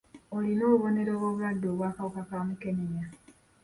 Olina obubonero bw'obulwadde obw'akawuka ka mukenenya.